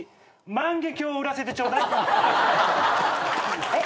万華鏡売らせてちょうだい。